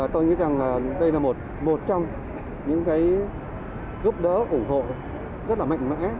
tôi nghĩ rằng đây là một trong những gúp đỡ ủng hộ rất mạnh mẽ